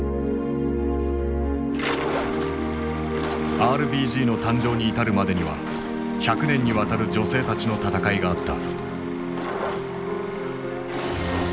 ＲＢＧの誕生に至るまでには百年にわたる女性たちの闘いがあった。